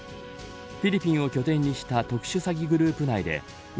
フィリピンを拠点にした特殊詐欺グループ内でう